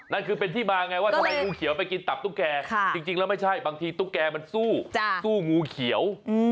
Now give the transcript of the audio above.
นั่นคือเป็นที่มาไงว่าทำไมงูเขียวไปกินตับตุ๊กแก่จริงแล้วไม่ใช่บางทีตุ๊กแกมันสู้สู้งูเขียว